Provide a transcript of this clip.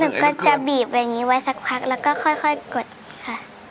แล้วเราก็จะบีบอย่างนี้ไว้สักครั้งแล้วก็ค่อยกดค่ะ